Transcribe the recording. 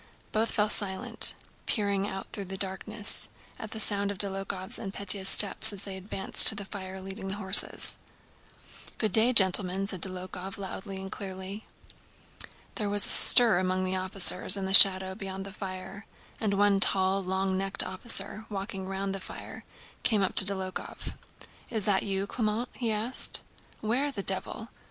Both fell silent, peering out through the darkness at the sound of Dólokhov's and Pétya's steps as they advanced to the fire leading their horses. "Bonjour, messieurs!" * said Dólokhov loudly and clearly. * "Good day, gentlemen." There was a stir among the officers in the shadow beyond the fire, and one tall, long necked officer, walking round the fire, came up to Dólokhov. "Is that you, Clément?" he asked. "Where the devil...?"